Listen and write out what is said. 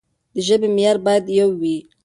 د ژبې معيار بايد يو وي.